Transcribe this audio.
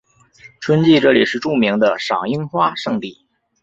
春季这里是著名的赏樱花胜地。